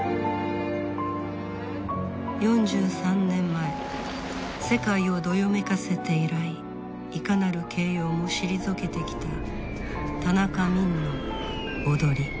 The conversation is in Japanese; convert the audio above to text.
４３年前世界をどよめかせて以来いかなる形容も退けてきた田中泯の踊り。